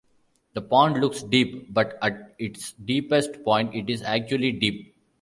The pond looks deep but at its deepest point it is actually deep.